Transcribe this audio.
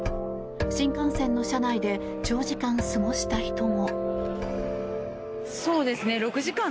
新幹線の車内で長時間過ごした人も。